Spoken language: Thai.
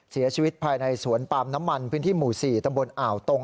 เสียชีวิตภายในสวนปาล์มน้ำมันพื้นที่หมู่๔ตำบลอ่าวตรง